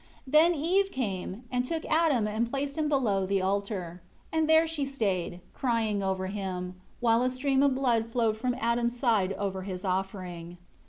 4 Then Eve came, and took Adam and placed him below the altar. And there she stayed, crying over him; while a stream of blood flowed from Adam's side over his offering.